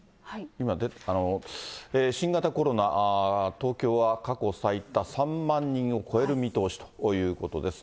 新型コロナ、東京は過去最多、３万人を超える見通しということです。